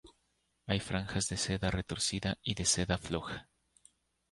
Hay franjas de seda retorcida y de seda floja.